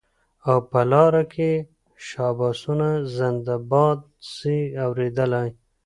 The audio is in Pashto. او په لار کي شاباسونه زنده باد سې اورېدلای